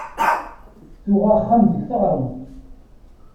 Tuɣ axxam deg taɣremt.